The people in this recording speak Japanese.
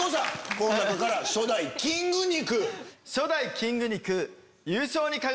この中から初代キング肉。